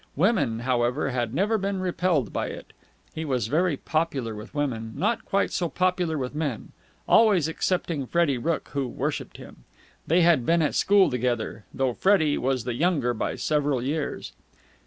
Women, however, had never been repelled by it. He was very popular with women, not quite so popular with men always excepting Freddie Rooke, who worshipped him. They had been at school together, though Freddie was the younger by several years.